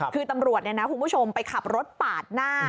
คือตำรวจเนี่ยนะคุณผู้ชมไปขับรถปาดหน้า